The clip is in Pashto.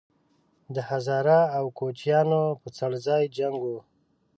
د هزاره او کوچیانو په څړځای جنګ وو